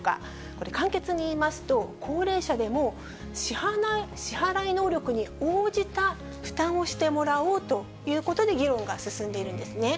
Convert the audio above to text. これ、簡潔にいいますと、高齢者でも、支払い能力に応じた負担をしてもらおうということで議論が進んでいるんですね。